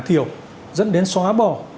thiểu dẫn đến xóa bỏ